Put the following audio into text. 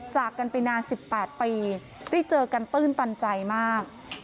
จากกันไปนาน๑๘ปีได้เจอกันตื้นตันใจมาก